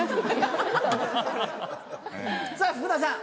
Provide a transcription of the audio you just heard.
さぁ福田さん。